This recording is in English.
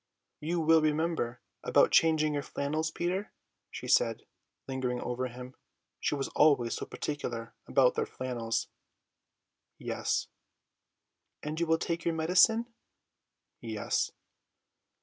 "You will remember about changing your flannels, Peter?" she said, lingering over him. She was always so particular about their flannels. "Yes." "And you will take your medicine?" "Yes."